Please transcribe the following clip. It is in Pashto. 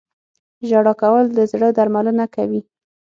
• ژړا کول د زړه درملنه کوي.